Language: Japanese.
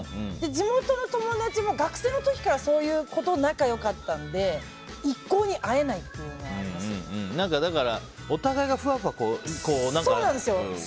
地元の友達も学生の時からそういう子と仲良かったので一向に会えないっていうのはだから、お互いがふわふわしちゃって。